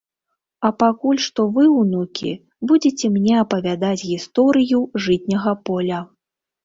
А пакуль што вы, унукі, будзеце мне апавядаць гісторыю жытняга поля.